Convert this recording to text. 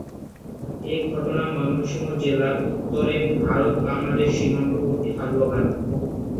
এ ঘটনা ময়মনসিংহ জেলার উত্তরে ভারত-বাংলাদেশ সীমান্তবর্তী হালুয়াঘাট।